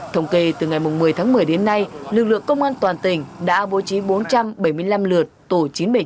thống kê từ ngày một mươi tháng một mươi đến nay lực lượng công an toàn tỉnh đã bố trí bốn trăm bảy mươi năm lượt tổ chín trăm bảy mươi chín